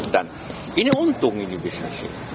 dan ini untung ini bisnis ini